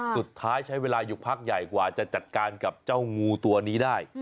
สุดท้ายใช้เวลาอยู่พักใหญ่กว่าจะจัดการกับเจ้างูตัวนี้ได้